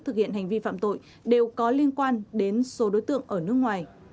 thực hiện hành vi phạm tội đều có liên quan đến số đối tượng ở nước ngoài